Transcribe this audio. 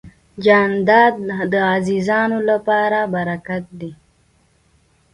جانداد د عزیزانو لپاره برکت دی.